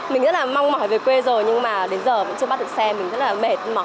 mình rất là mong mỏi về quê rồi nhưng mà đến giờ vẫn chưa bắt được xe mình rất là mệt mỏi